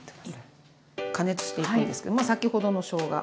加熱していくんですけどまあ先ほどのしょうが。